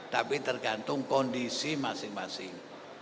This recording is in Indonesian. tapi tergantung kondisi masing masing